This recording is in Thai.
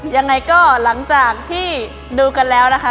ยังไงก็หลังจากที่ดูกันแล้วนะคะ